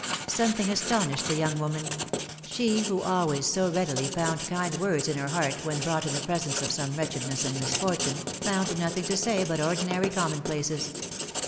Something astonished the young woman : she, who always so readily found kind words in PHILOMfeNE^S MARRIAGES. 69 her heart when brought in the presence of some wretched ness and misfortune, found nothing to say but ordinary commonplaces.